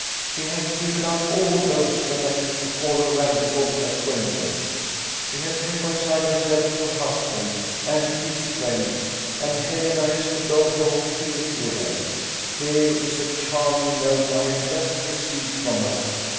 She has given up all those that I used to call her rantipole acquaintance. She has reconciled herself to her husband, and to his friends; and Helena is to go home to live with her. Here is a charming note I have just received from her!